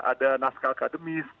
ada naskah akademis